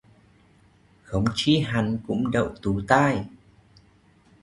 Không chi hắn cũng đậu tú tài